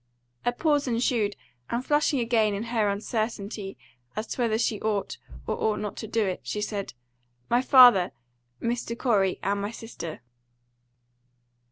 A pause ensued, and flushing again in her uncertainty as to whether she ought or ought not to do it, she said, "My father, Mr. Corey; and my sister."